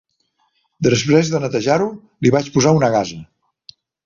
Després de netejar-ho, li vaig posar una gasa.